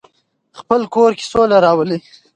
خپل کور کې سوله راولئ.